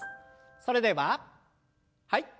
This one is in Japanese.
それでははい。